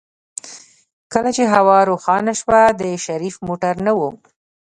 کله چې هوا روښانه شوه د شريف موټر نه و.